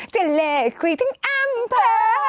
จะเลิกคุยทั้งอำเภอ